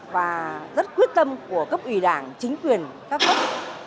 và rất quyết tâm của các ủy đảng chính quyền các quốc